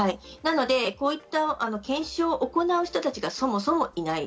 こういった検証を行う人たちがそもそもいない。